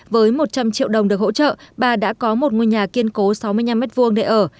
với một trăm linh triệu đồng được hỗ trợ bà đã có một ngôi nhà kiên cố sáu mươi năm m hai để ở